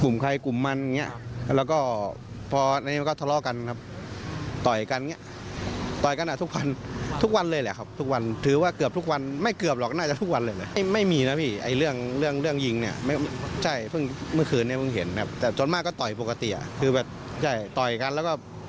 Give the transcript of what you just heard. มาก็ต่อยปกติคือแบบใช่ต่อยกันแล้วก็